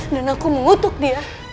dan aku mengutuk dia